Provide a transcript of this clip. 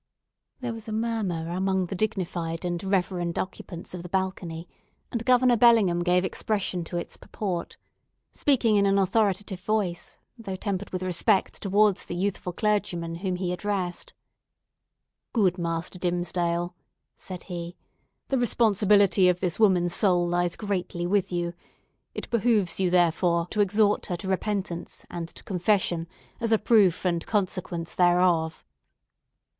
There was a murmur among the dignified and reverend occupants of the balcony; and Governor Bellingham gave expression to its purport, speaking in an authoritative voice, although tempered with respect towards the youthful clergyman whom he addressed: "Good Master Dimmesdale," said he, "the responsibility of this woman's soul lies greatly with you. It behoves you; therefore, to exhort her to repentance and to confession, as a proof and consequence thereof."